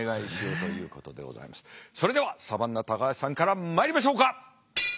それではサバンナ高橋さんからまいりましょうか。